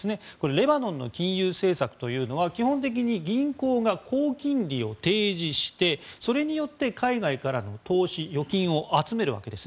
レバノンの金融政策というのは基本的に銀行が高金利を提示してそれによって海外からの投資、預金を集めるわけです。